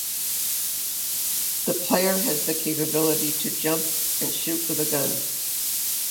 The player has the capability to jump and shoot with a gun.